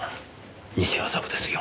西麻布ですよ。